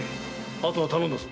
あとは頼んだぞ。